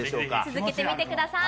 続けてみてください。